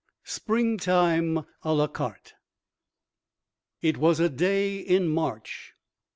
SPRINGTIME À LA CARTE It was a day in March.